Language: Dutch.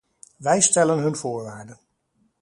Wij stellen hun voorwaarden.